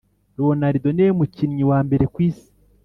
Ronaldo ni we mukinnyi wa mbere ku isi